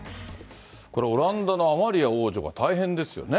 このオランダのアマリア王女が大変ですよね。